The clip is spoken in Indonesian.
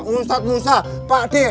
ustadz musa pak d